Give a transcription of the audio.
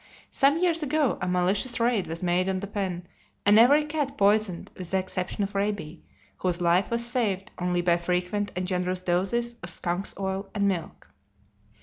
Some years ago, a malicious raid was made on the pen, and every cat poisoned with the exception of Raby, whose life was saved only by frequent and generous doses of skunk's oil and milk.